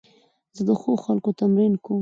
زه د ښو اخلاقو تمرین کوم.